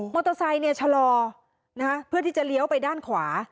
เตอร์ไซค์ชะลอเพื่อที่จะเลี้ยวไปด้านขวา